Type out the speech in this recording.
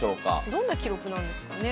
どんな記録なんですかね。